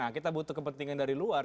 nah kita butuh kepentingan dari luar